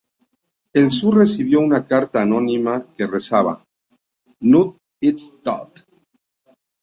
El zoo recibió una carta anónima que rezaba: ""Knut ist tot!